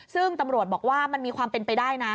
ซึ่งตำรวจบอกว่ามันมีความเป็นไปได้นะ